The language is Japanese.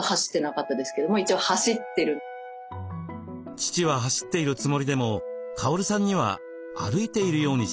父は走っているつもりでもカオルさんには歩いているようにしか見えませんでした。